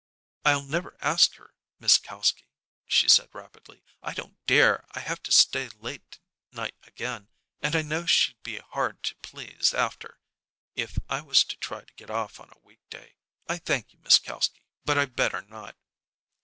"I'll never ask her, Miss Kalski," she said rapidly. "I don't dare. I have to stay late to night again; and I know she'd be hard to please after, if I was to try to get off on a week day. I thank you, Miss Kalski, but I'd better not."